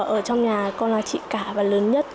ở trong nhà con là chị cả và lớn nhất